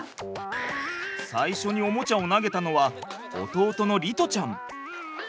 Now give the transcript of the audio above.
最初におもちゃを投げたのは弟の璃士ちゃん。